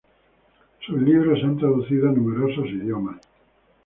Sus libros se han traducido a numerosos idiomas.